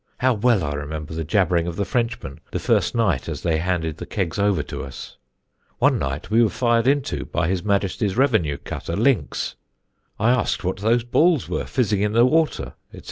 How well I remember the jabbering of the Frenchmen the first night as they handed the kegs over to us! One night we were fired into by his Majesty's revenue cutter Lynx. I asked what those balls were fizzing in the water, etc.